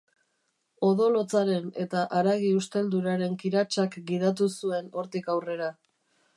Odol hotzaren eta haragi ustelduraren kiratsak gidatu zuen hortik aurrera.